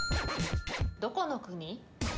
どこの国？